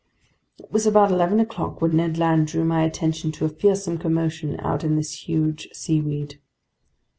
It was about eleven o'clock when Ned Land drew my attention to a fearsome commotion out in this huge seaweed.